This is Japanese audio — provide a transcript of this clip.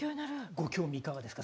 ご興味いかがですか？